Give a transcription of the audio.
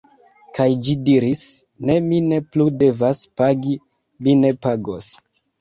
Kaj ĝi diris: ne, mi ne plu devas pagi, mi ne pagos.